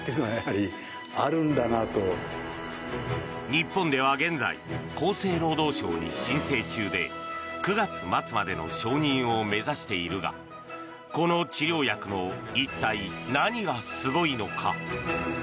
日本では現在、厚生労働省に申請中で９月末までの承認を目指しているがこの治療薬の一体何がすごいのか。